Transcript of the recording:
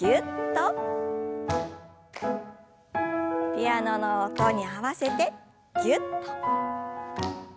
ピアノの音に合わせてぎゅっと。